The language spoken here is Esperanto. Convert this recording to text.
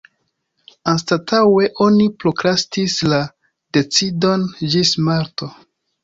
Anstataŭe oni prokrastis la decidon ĝis marto.